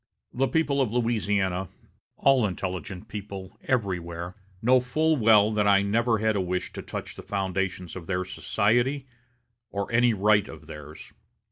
The people of Louisiana all intelligent people everywhere know full well that I never had a wish to touch the foundations of their society, or any right of theirs.